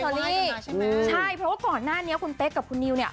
ใช่ไหมใช่เพราะว่าก่อนหน้านี้คุณเป๊กกับคุณนิวเนี่ย